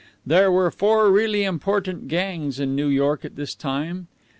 There were four really important gangs in New York at this time.